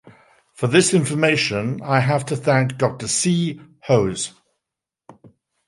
For this information I have to thank Dr. C. Hose.